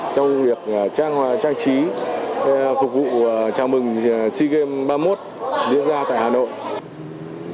trong việc trang trí phục vụ chào mừng sea games ba mươi một diễn ra tại hà nội